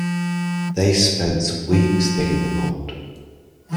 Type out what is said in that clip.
They spent weeks digging the pond.